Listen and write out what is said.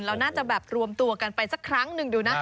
เราน่าจะแบบรวมตัวกันไปสักครั้งหนึ่งดูนะ